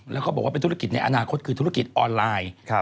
แล้วเขาบอกว่าเป็นธุรกิจในอนาคตคือธุรกิจออนไลน์